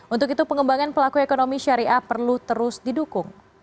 untuk itu pengembangan pelaku ekonomi syariah perlu terus didukung